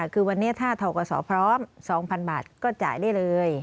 คือวันนี้ถ้าทกศพร้อม๒๐๐๐บาทก็จ่ายได้เลย